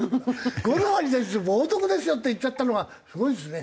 ゴルファーに対する冒とくですよって言っちゃったのはすごいですね。